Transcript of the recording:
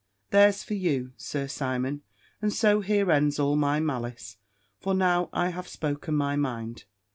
There's for you, Sir Simon: and so here ends all my malice; for now I have spoken my mind.